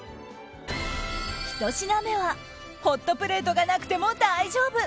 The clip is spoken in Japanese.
ひと品目は、ホットプレートがなくても大丈夫。